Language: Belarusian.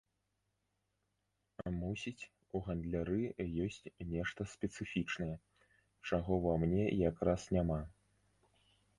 Мусіць, у гандляры ёсць нешта спецыфічнае, чаго ва мне якраз няма.